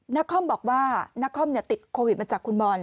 นครบอกว่านักคอมติดโควิดมาจากคุณบอล